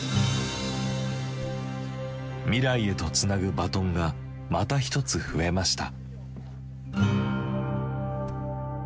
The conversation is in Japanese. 未来へとつなぐバトンがまた一つ増えました。